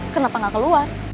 kenapa gak keluar